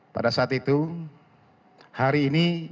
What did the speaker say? pada saat itu hari ini